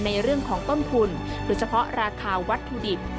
ในเรื่องของต้นทุนโดยเฉพาะราคาวัตถุดิบ